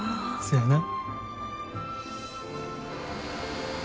そやな。